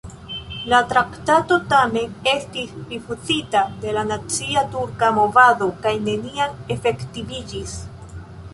La traktato, tamen, estis rifuzita de la nacia turka movado kaj neniam efektiviĝis.